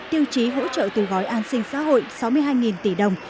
tiêu chí hỗ trợ từ gói an sinh xã hội sáu mươi hai tỷ đồng